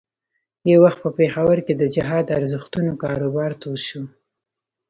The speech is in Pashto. یو وخت په پېښور کې د جهاد ارزښتونو کاروبار تود شو.